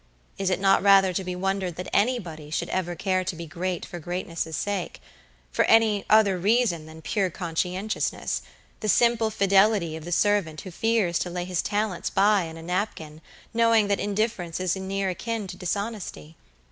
Is it not rather to be wondered that anybody should ever care to be great for greatness' sake; for any other reason than pure conscientiousness; the simple fidelity of the servant who fears to lay his talents by in a napkin, knowing that indifference is near akin to dishonesty?